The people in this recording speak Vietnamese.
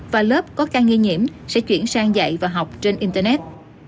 và lớp có ca nghi nhiễm sẽ chuyển sang dạy và học trên internet